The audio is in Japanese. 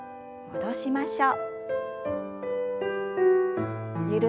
戻しましょう。